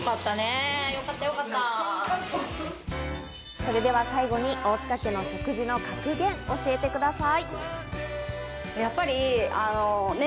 それでは最後に大塚家の食事の格言、教えてください。